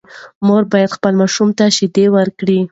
مور باید خپل ماشوم ته شیدې ورکړي.